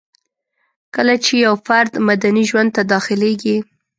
کله چي يو فرد مدني ژوند ته داخليږي